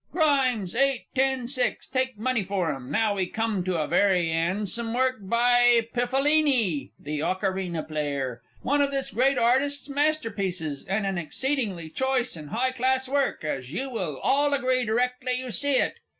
GRIMES, Eight, ten, six. Take money for 'em. Now we come to a very 'andsome work by Piffalini "The Ocarina Player," one of this great artist's masterpieces, and an exceedingly choice and high class work, as you will all agree directly you see it.